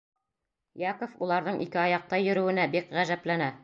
Яков уларҙың ике аяҡта йөрөүенә бик ғәжәпләнә.